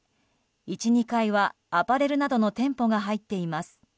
１、２階はアパレルなどの店舗が入っています。